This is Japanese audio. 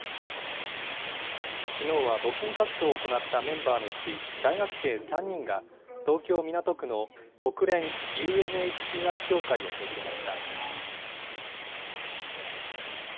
きのうは募金活動を行ったメンバーのうち大学生３人が、東京・港区の国連ＵＮＨＣＲ協会を訪れました。